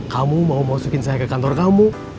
kamu mau masukin saya ke kantor kamu